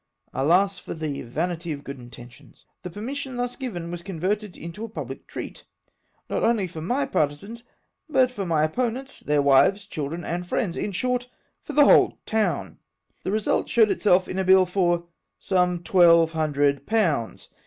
Alas ! for the vanity of good intentions. The per mission thus given was converted into a public treat ; not only for my partisans, but for my opponents, their wives, children, and friends ; in short, for the whole town ! The result showed itself in a bill for some twelve hundred pounds!